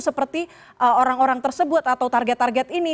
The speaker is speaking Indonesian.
seperti orang orang tersebut atau target target ini